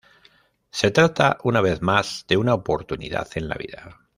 Se trata una vez más de una oportunidad en la vida.".